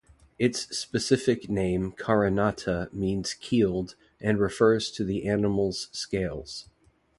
Its specific name "carinata" means "keeled" and refers to the animal's scales.